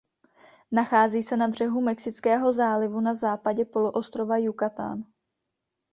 Nachází se na břehu Mexického zálivu na západě poloostrova Yucatán.